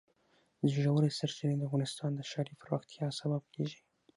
ژورې سرچینې د افغانستان د ښاري پراختیا سبب کېږي.